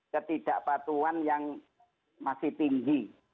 ketidakpatuan yang masih tinggi